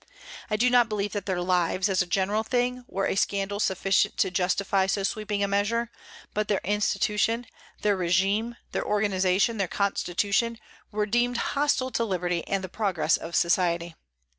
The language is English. I do not believe that their lives, as a general thing, were a scandal sufficient to justify so sweeping a measure; but their institution, their régime, their organization, their constitution, were deemed hostile to liberty and the progress of society.